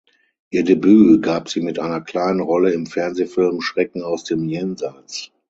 Ihr Debüt gab sie mit einer kleinen Rolle im Fernsehfilm "Schrecken aus dem Jenseits".